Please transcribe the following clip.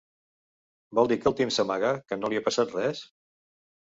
Vol dir que el Tim s'amaga, que no li ha passat res?